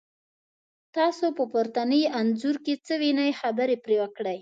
تاسو په پورتني انځور کې څه وینی، خبرې پرې وکړئ؟